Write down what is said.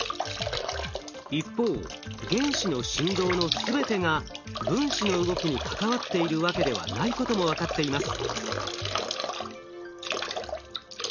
一方原子の振動の全てが分子の動きに関わっているわけではないことも分かっています。